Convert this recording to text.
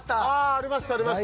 ありましたありました。